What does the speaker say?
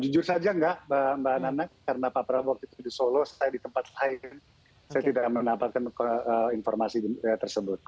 jujur saja nggak mbak anan karena pak prabowo di solo saya di tempat lain saya tidak mendapatkan informasi tersebut